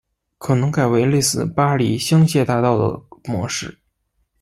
可能改为类似巴黎香榭大道的模式